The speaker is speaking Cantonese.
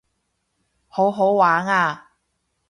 好好玩啊